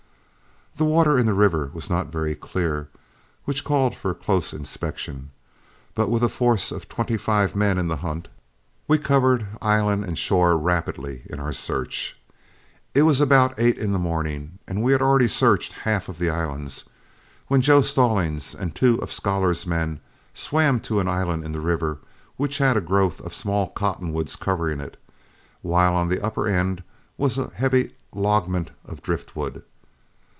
The water in the river was not very clear, which called for a close inspection; but with a force of twenty five men in the hunt, we covered island and shore rapidly in our search. It was about eight in the morning, and we had already searched half of the islands, when Joe Stallings and two of Scholar's men swam to an island in the river which had a growth of small cottonwoods covering it, while on the upper end was a heavy lodgment of driftwood.